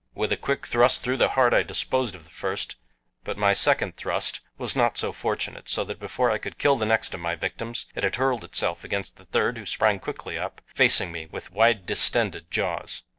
With a quick thrust through the heart I disposed of the first but my second thrust was not so fortunate, so that before I could kill the next of my victims it had hurled itself against the third, who sprang quickly up, facing me with wide distended jaws.